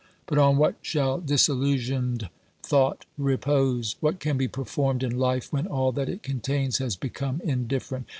But on what shall disillusionised thought repose ? What can be performed in life when all that it contains has become indifferent